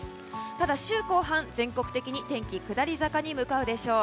ただ、週後半全国的に天気が下り坂に向かうでしょう。